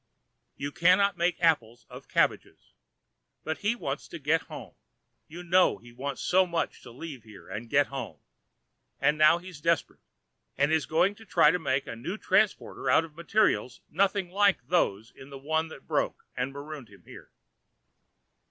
You cannot make apples of cabbages. But he wants to get home you know he wants so much to leave here and get home and now he's desperate, and is going to try making a new transporter out of materials nothing like those in the one that broke and marooned him here."